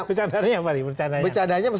bercadanya apa nih bercadanya